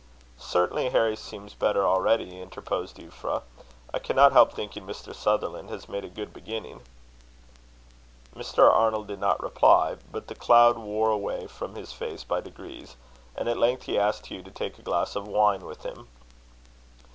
"Certainly Harry seems better already," interposed Euphra. "I cannot help thinking Mr. Sutherland has made a good beginning." Mr. Arnold did not reply, but the cloud wore away from his face by degrees; and at length he asked Hugh to take a glass of wine with him.